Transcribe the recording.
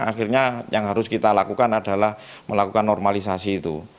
akhirnya yang harus kita lakukan adalah melakukan normalisasi itu